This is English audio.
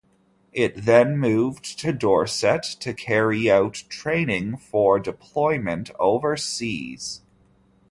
It then moved to Dorset to carry out training for deployment overseas.